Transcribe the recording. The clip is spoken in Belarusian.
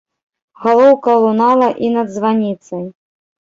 Галоўка лунала і над званіцай.